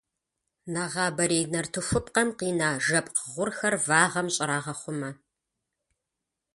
Нэгъабэрей нартыхупкъэм къина жэпкъ гъурхэр вагъэм щӀрагъэхъумэ.